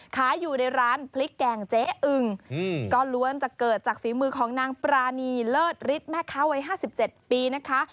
ขายอยู่ในร้านพริกแกงเจ๊อึงก็ล้วนจะเกิดจากฝีมือของนางปรานีเลิศฤทธิ์แม่ค้าวัย๕๗ปีนะคะ